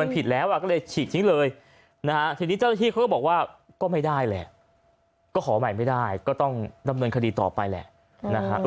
มาเท่าที่บัตรปีกดำเงินคดีต่อไปแหละนะครับ